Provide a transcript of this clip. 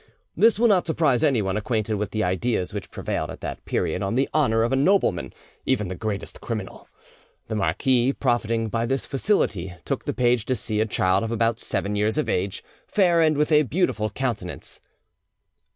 This will not surprise anyone acquainted with the ideas which prevailed at that period on the honour of a nobleman, even the greatest criminal. The marquis, profiting by this facility, took the page to see a child of about seven years of age, fair and with a beautiful countenance.